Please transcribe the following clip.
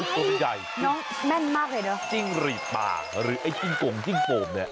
ตัวใหญ่จิ้งหรีดปากหรือจิ้งโต่ม